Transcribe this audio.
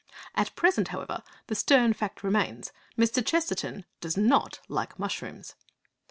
At present, however, the stern fact remains. Mr. Chesterton does not like mushrooms.